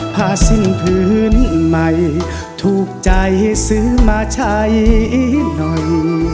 ผ้าสิ้นพื้นใหม่ถูกใจซื้อมาใช้หน่อย